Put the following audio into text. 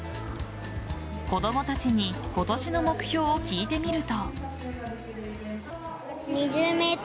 子供たちに今年の目標を聞いてみると。